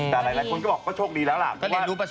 แต่หลายคนก็บอกก็โชคดีแล้วล่ะ